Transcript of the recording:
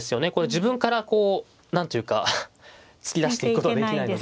自分からこう何ていうか突き出していくことはできないんで。